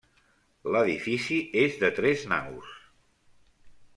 L'edifici és de tres naus.